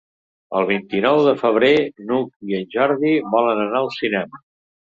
El vint-i-nou de febrer n'Hug i en Jordi volen anar al cinema.